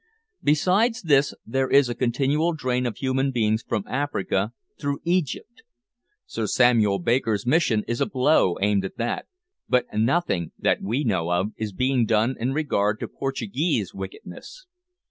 Besides this, there is a continual drain of human beings from Africa through Egypt. Sir Samuel Baker's mission is a blow aimed at that; but nothing, that we know of, is being done in regard to Portuguese wickedness.